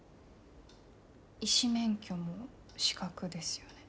医師免許も資格ですよね。